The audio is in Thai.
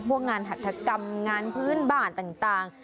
งานหัฐกรรมงานพื้นบ้านต่าง